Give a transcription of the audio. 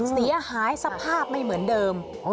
เสียหายสภาพไม่เหมือนเดิม